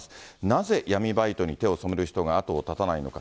なぜ闇バイトに手を染める人が後を絶たないのか。